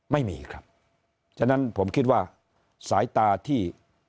ไม่มีครับฉะนั้นผมคิดว่าสายตาที่